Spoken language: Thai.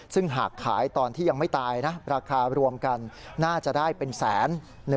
ซึ่งหากขายตอนที่ยังไม่ตายนะราคารวมกันน่าจะได้เป็นแสน